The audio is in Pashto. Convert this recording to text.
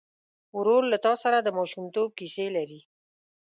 ورور له تا سره د ماشومتوب کیسې لري.